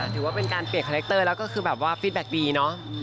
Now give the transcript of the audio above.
ถือว่าเป็นการเปลี่ยนคาแรคเตอร์แล้วก็คือแบบว่าฟิตแบ็คดีเนอะ